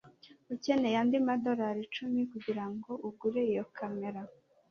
Ukeneye andi madorari icumi kugirango ugure iyo kamera